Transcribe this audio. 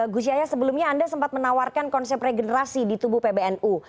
gus yahya sebelumnya anda sempat menawarkan konsep regenerasi di tubuh pbnu